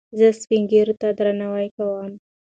زه سپينږيرو درناوی کوم.